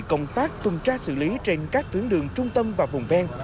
công tác tuần tra xử lý trên các tuyến đường trung tâm và vùng ven